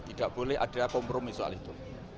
tidak boleh ada kompromi soal itu